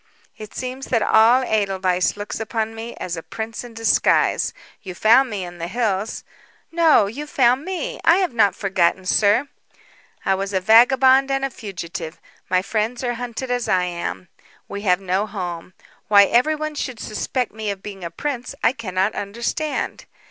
"It seems that all Edelweiss looks upon me as a prince in disguise. You found me in the hills " "No; you found me. I have not forgotten, sir." "I was a vagabond and a fugitive. My friends are hunted as I am. We have no home. Why everyone should suspect me of being a prince I cannot understand.